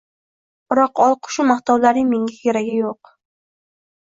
Biroq olqishu maqtovlarning menga keragi yo‘q.